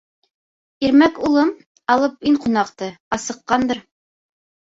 Ирмәк улым, алып ин ҡунаҡты, асыҡҡандыр.